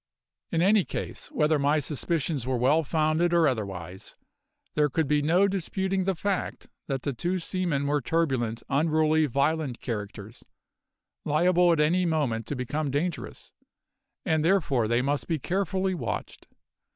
In any case, whether my suspicions were well founded or otherwise, there could be no disputing the fact that the two seamen were turbulent, unruly, violent characters, liable at any moment to become dangerous; and therefore they must be carefully watched.